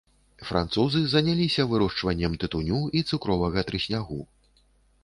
Французы заняліся вырошчваннем тытуню і цукровага трыснягу.